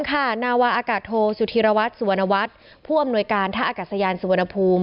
สถานาวะอากาศโทสุธิระวัตต์สวนวัตต์ผู้อำนวยการท่าอากาศยานสวนภูมิ